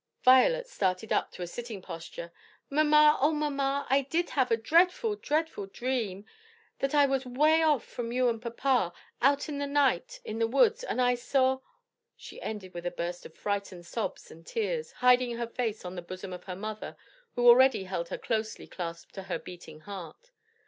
Violet started up to a sitting posture. "Mamma, oh mamma, I did have a dreadful, dreadful dream! that I was 'way off from you and papa, out in the night in the woods, and I saw " She ended with a burst of frightened sobs and tears, hiding her face on the bosom of her mother who already held her closely clasped to her beating heart.